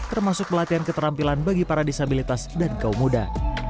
termasuk pelatihan keterampilan bagi para disabilitas dan kaum muda